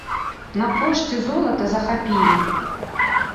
На пошце золата захапілі.